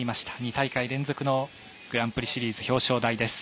２大会連続のグランプリシリーズ表彰台です。